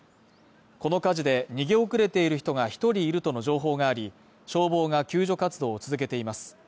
この火事で逃げおくれている人が１人いるとの情報があり、消防が救助活動を続けています。